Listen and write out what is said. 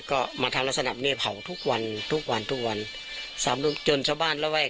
ก็มาทำรสนับเนี้ยเผาทุกวันทุกวันทุกวันสามลูกจนช้าบ้านระแวก